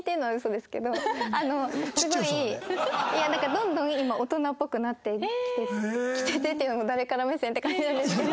どんどん今大人っぽくなってきてて「きてて」というのも誰から目線？って感じなんですけど。